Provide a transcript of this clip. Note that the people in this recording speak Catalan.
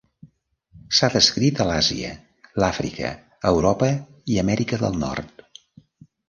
S'ha descrit a l'Àsia, l'Àfrica, Europa i Amèrica del Nord.